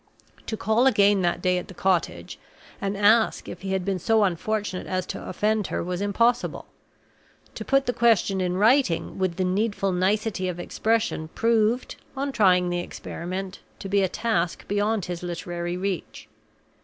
To call again that day at the cottage, and ask if he had been so unfortunate as to offend her, was impossible. To put the question in writing with the needful nicety of expression proved, on trying the experiment, to be a task beyond his literary reach.